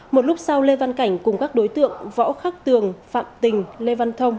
một lúc sau lê văn cảnh cùng các đối tượng võ khắc tường phạm tình lê văn thông